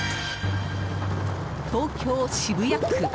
東京・渋谷区。